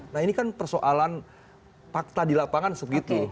nah ini kan persoalan fakta di lapangan segitu